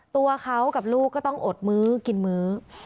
ตัวเขากับลูกก็ต้องอดมื้อกินมื้อ